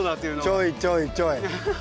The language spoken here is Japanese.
ちょいちょいちょい！